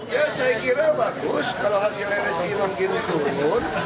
ya saya kira bagus kalau hasil msi mungkin turun